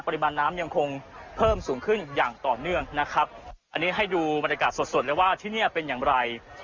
ปริมาณน้ำยังคงเพิ่มสูงขึ้นอย่างต่อเนื่องนะครับอันนี้ให้ดูบรรยากาศสดสดเลยว่าที่นี่เป็นอย่างไร